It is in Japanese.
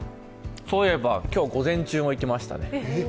そういえば今日、午前中も行ってましたね。